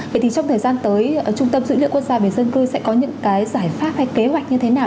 vậy thì trong thời gian tới trung tâm dữ liệu quốc gia về dân cư sẽ có những cái giải pháp hay kế hoạch như thế nào